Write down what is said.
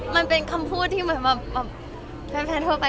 มันเป็นคำพูดที่เหมือนแบบแฟนทั่วไป